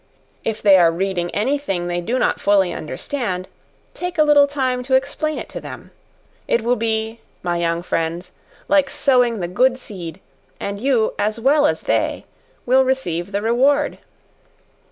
If they are reading any thing they do not fully understand, take a little time to explain it to them. It will be, my young friends, like sowing the good seed, and you, as well as they, will receive the reward.